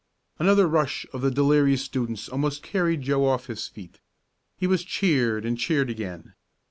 Another rush of the delirious students almost carried Joe off his feet. He was cheered and cheered again.